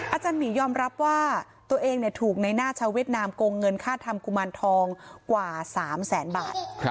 อาจารย์หมียอมรับว่าตัวเองถูกในหน้าชาวเวียดนามโกงเงินค่าทำกุมารทองกว่า๓แสนบาท